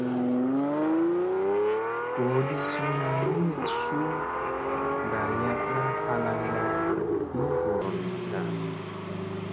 Goodi suuna miniɗ su ɗaryaɗna halaŋga ni gooron da.